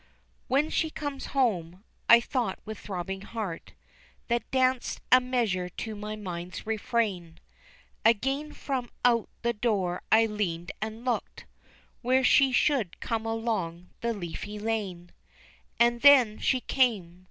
"WHEN she comes home," I thought with throbbing heart, That danced a measure to my mind's refrain. Again from out the door I leaned and looked, Where she should come along the leafy lane. And then she came.